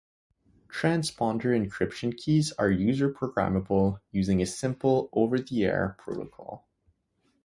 Transponder encryption keys are user programmable, using a simple over-the-air protocol.